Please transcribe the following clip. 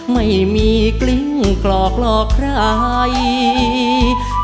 ไม่มีกลิ้งกรอกหลอกใคร